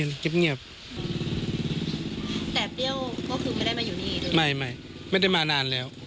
เนี่ยไม่ได้มานานแล้ว